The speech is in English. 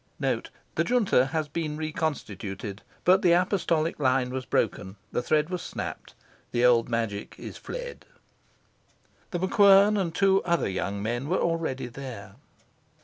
The Junta has been reconstituted. But the apostolic line was broken, the thread was snapped; the old magic is fled. The MacQuern and two other young men were already there.